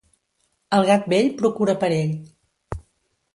El gat vell procura per ell.